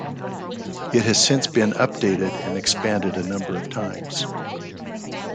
It has since been updated and expanded a number of times.